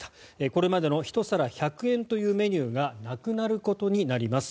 これまでの１皿１００円というメニューがなくなることになります。